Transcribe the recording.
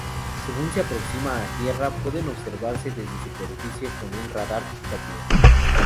Según se aproximan a tierra, pueden observarse desde superficie con un Radar Doppler.